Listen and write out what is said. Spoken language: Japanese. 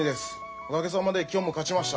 おかげさまで今日も勝ちました。